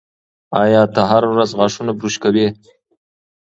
ایا ته هره ورځ غاښونه برس کوې؟